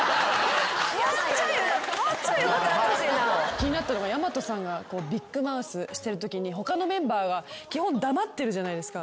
気になったのがやまとさんがビッグマウスしてるときに他のメンバーが基本黙ってるじゃないですか。